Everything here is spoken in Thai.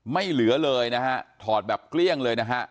ไม่เหลือเลยนะฮะถอดแบบเกลี้ยงเลยนะฮะ